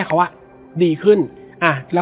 และวันนี้แขกรับเชิญที่จะมาเชิญที่เรา